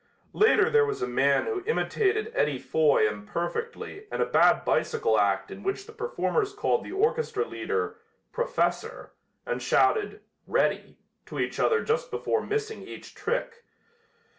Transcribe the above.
Later there was a man who imitated Eddie Foy imperfectly and a bad bicycle act in which the performers called the orchestra leader "Professor" and shouted "Ready" to each other just before missing each trick.